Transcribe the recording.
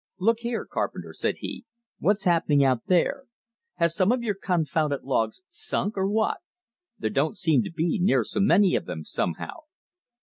"Look here, Carpenter," said he, "what's happening out there? Have some of your confounded logs SUNK, or what? There don't seem to be near so many of them somehow."